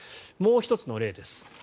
もう１つの例です。